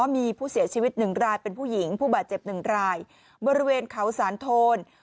มีผู้เสียชีวิตหนึ่งรายเป็นผู้หญิงผู้บาดเจ็บหนึ่งรายบริเวณเขาสานโทน